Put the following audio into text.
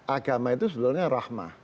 agama itu sebetulnya rahmah